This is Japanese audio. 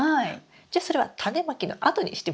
じゃそれはタネまきの後にしてみましょうか。